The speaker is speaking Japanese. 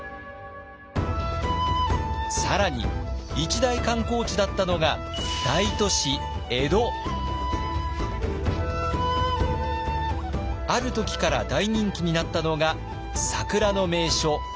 更に一大観光地だったのがある時から大人気になったのが桜の名所飛鳥山。